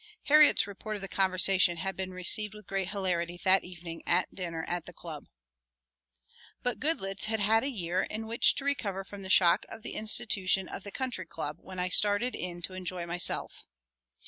Harriet's report of the conversation had been received with great hilarity that evening at dinner at the Club. But Goodloets had had a year in which to recover from the shock of the institution of the Country Club when I started in to enjoy myself.